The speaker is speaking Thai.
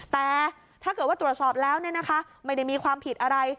แต่ถ้าเกิดว่าตรวจสอบแล้วไม่ได้มีความผิดอะไร